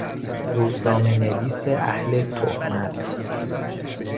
روزنامهنویس اهل تهمت